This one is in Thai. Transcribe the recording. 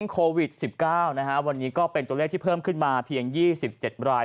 โควิด๑๙วันนี้ก็เป็นตัวเลขที่เพิ่มขึ้นมาเพียง๒๗ราย